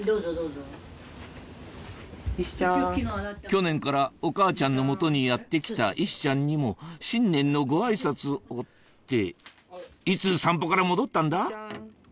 去年からお母ちゃんの元にやって来たイシちゃんにも新年のご挨拶をっていつ散歩から戻ったんだ？